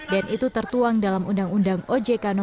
dan itu tertuang dalam undang undang ojk no dua